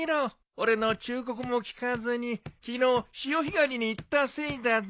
俺の忠告も聞かずに昨日潮干狩りに行ったせいだぞ。